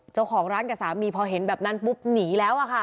เจ้าของร้านกับสามีพอเห็นแบบนั้นปุ๊บหนีแล้วอะค่ะ